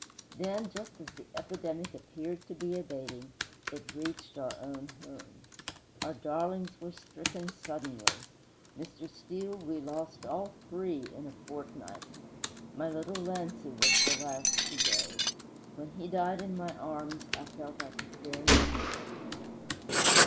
Then, just as the epidemic appeared to be abating, it reached our own home. Our darlings were stricken suddenly. Mr. Steele, we lost all three in a fortnight! My little Lancy was the last to go. When he died in my arms I felt I could bear no more.